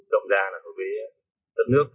động giá là đối với đất nước